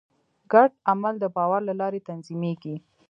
ګډ عمل د باور له لارې تنظیمېږي.